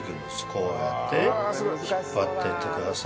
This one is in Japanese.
こうやって引っ張っていってください。